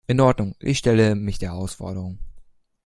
In Ordnung, ich stelle mich der Herausforderung.